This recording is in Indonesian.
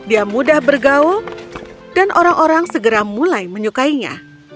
dia mudah bergaul dan orang orang segera mulai menyukainya